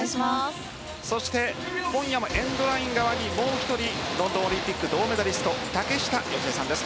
そして、今夜もエンドライン側にもう１人ロンドンオリンピック銅メダリスト、竹下佳江さんです。